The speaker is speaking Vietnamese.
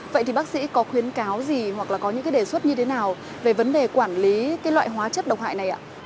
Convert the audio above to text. vậy thì bác sĩ có khuyến cáo gì hoặc là có những cái đề xuất như thế nào về vấn đề quản lý cái loại hóa chất độc hại này ạ